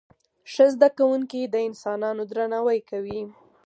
ښه زده کوونکي د انسانانو درناوی کوي.